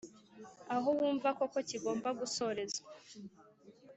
aho wumva koko kigomba gusorezwa.